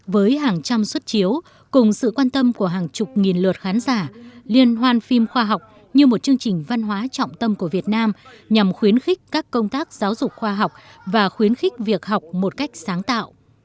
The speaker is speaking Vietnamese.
với hàng trăm xuất chiếu cùng sự quan tâm của hàng chục nghìn lượt khán giả liên hoan phim khoa học như một chương trình văn hóa trọng tâm của việt nam nhằm khuyến khích các công tác giáo dục khoa học và khuyến khích việc học một cách sáng tạo